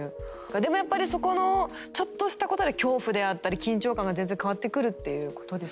でもやっぱりそこのちょっとしたことで恐怖であったり緊張感が全然変わってくるっていうことですよね。